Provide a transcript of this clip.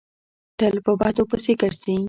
تل په بدو پسې ګرځي.